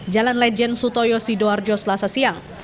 jalan lejen suto yosidoarjo selasa siang